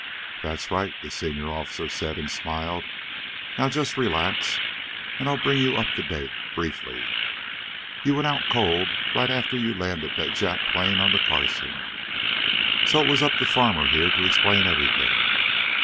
"That's right," the senior officer said, and smiled. "Now, just relax and I'll bring you up to date, briefly. You went cold right after you landed that Jap plane on the Carson. So it was up to Farmer, here, to explain everything.